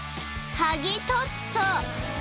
はぎトッツォ